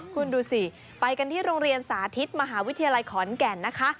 คุณดูสิไปกันที่โรงเรียนสาธิตมหาวิทยาลัยขอนแก่นนะคะ